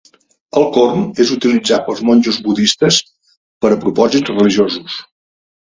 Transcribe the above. El corn és utilitzat per monjos budistes per a propòsits religiosos.